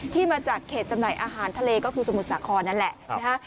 ที่มาจากเขตจำหน่ายอาหารทะเลก็คือสมุทรสาครนั่นแหละนะฮะ